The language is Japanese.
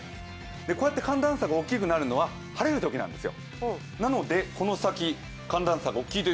こうやって寒暖差が大きくなるのは晴れるときなんですよ。